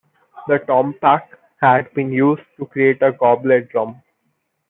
The tompak had been used to create a goblet drum.